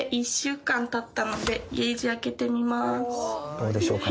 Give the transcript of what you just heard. どうでしょうか？